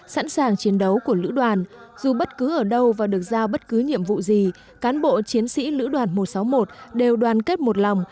sẵn sàng chiến đấu của lữ đoàn dù bất cứ ở đâu và được giao bất cứ nhiệm vụ gì cán bộ chiến sĩ lữ đoàn một trăm sáu mươi một đều đoàn kết một lòng